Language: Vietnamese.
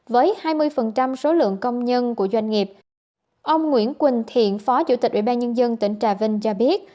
với hai mươi số lượng công nhân của doanh nghiệp ông nguyễn quỳnh thiện phó chủ tịch ubnd tỉnh trà vinh cho biết